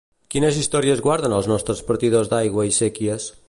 Quines històries guarden els nostres partidors d'aigua i séquies?